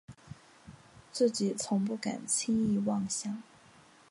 自己从不敢轻易妄想